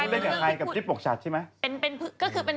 เล่นกับใครกับจิ๊บปกชัดใช่ไหม